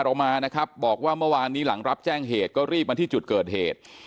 เรามานะครับบอกว่าเมื่อวานนี้หลังรับแจ้งเหตุก็รีบมาที่จุดเกิดเหตุ